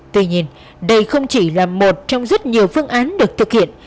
tuy nhiên đây không chỉ là một trong rất nhiều phương án được thực hiện